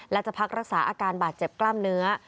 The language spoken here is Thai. และจะพักรักษาอาการบาดเจ็บกล้ามเนื้อ